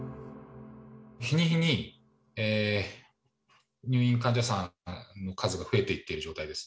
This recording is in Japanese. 日に日に入院患者さんの数が増えていってる状態です。